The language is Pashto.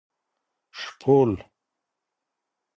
شپول